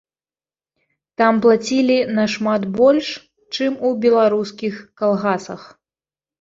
Там плацілі нашмат больш, чым у беларускіх калгасах.